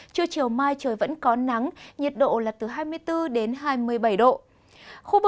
trưa chiều mai trời vẫn có nắng nhiệt độ là từ hai mươi bốn đến hai mươi bảy độ